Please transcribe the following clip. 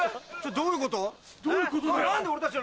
どういうことだよ！